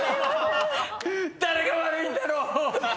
誰が悪いんだろう